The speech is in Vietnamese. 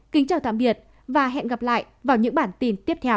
kính chào tạm biệt và hẹn gặp lại vào những bản tin tiếp theo